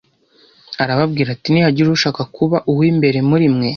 arababwira ati ‘Nihagira ushaka kuba uw’imbere muri mwe